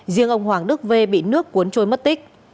riêng ông hoàng đức v bị nước cuốn trôi mất tích